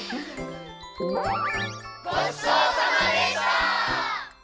ごちそうさまでした！